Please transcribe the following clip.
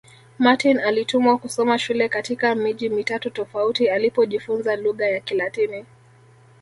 Martin alitumwa kusoma shule katika miji mitatu tofauti alipojifunza lugha ya Kilatini